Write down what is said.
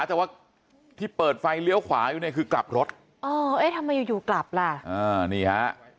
แต่ว่าที่เปิดไฟเลี้ยวขวาอยู่ในคือกลับรถเออทำไมอยู่กลับล่ะนี่ฮะ